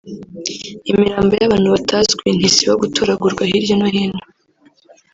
imirambo y’abantu batazwi ntisiba gutoragurwa hirya no hino